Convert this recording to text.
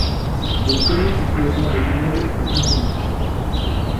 Le premier propriétaire de l’immeuble n’est pas connu.